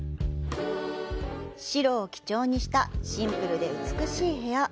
白を基調にしたシンプルで美しい部屋。